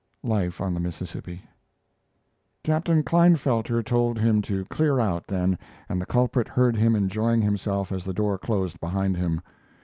["Life on the Mississippi."] Captain Klinefelter told him to clear out, then, and the culprit heard him enjoying himself as the door closed behind him.